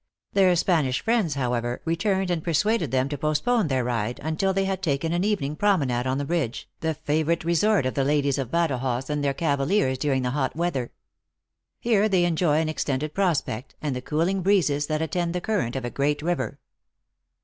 Their Span ish friends however, returned and persuaded them to postpone their ride until they had taken an evening promenade on the bridge, the favorite resort of the ladies of Badajoz and their cavaliers during the hot weather. Here they enjoy an extended prospect, and the cooling breezes that attend the current of a great river.